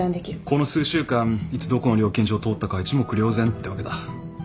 この数週間いつどこの料金所を通ったかは一目瞭然ってわけだ。